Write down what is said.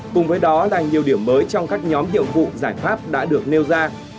cùng với đó là nhiều điểm mới trong các nhóm nhiệm vụ giải pháp đã được nêu ra